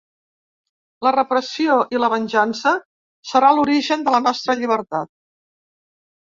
La repressió i la venjança serà l'origen de la nostra llibertat.